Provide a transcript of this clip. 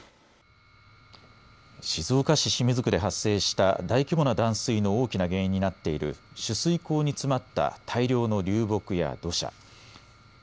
静岡市清水区で発生した大規模な断水の大きな原因になっている取水口に詰まった大量の流木や土砂。